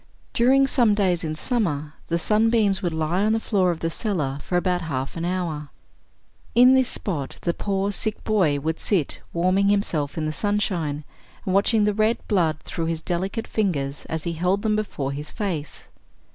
During some days in summer, the sunbeams would lie on the floor of the cellar for about half an hour. In this spot the poor sick boy would sit warming himself in the sunshine, and watching the red blood through his delicate fingers as he held them before his face.